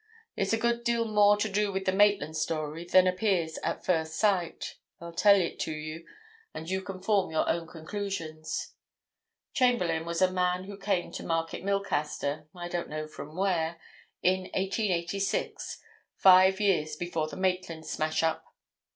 It's a good deal more to do with the Maitland story than appears at first sight, I'll tell it to you and you can form your own conclusions. Chamberlayne was a man who came to Market Milcaster—I don't know from where—in 1886—five years before the Maitland smash up.